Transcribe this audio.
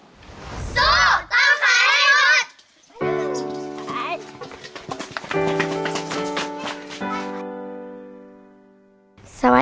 สู้ต่อไปให้ดีกว่า